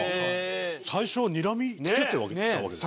最初にらみつけてたわけでしょ？